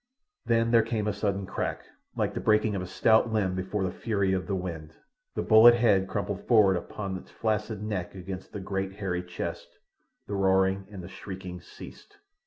Then there came a sudden crack, like the breaking of a stout limb before the fury of the wind. The bullet head crumpled forward upon its flaccid neck against the great hairy chest—the roaring and the shrieking ceased.